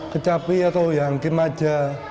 kecapi atau yangkim aja